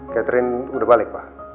catherine udah balik pak